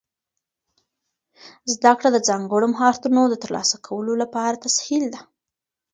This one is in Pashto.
زده کړه د ځانګړو مهارتونو د ترلاسه کولو لپاره تسهیل ده.